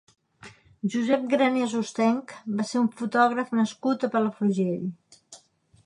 Josep Granés Hostench va ser un fotògraf nascut a Palafrugell.